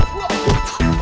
tuh tuh tuh tuh